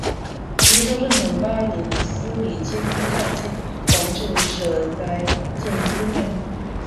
明朝正统八年司礼监太监王振舍宅建私庙。